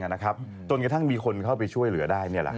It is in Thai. จนกระทั่งมีคนเข้าไปช่วยเหลือได้